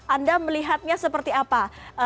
anda melihatnya seperti apa